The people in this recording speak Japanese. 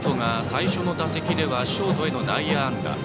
最初の打席ではショートへの内野安打。